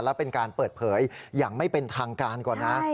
แล้วเป็นการเปิดเผยอย่างไม่เป็นทางการก่อนนะ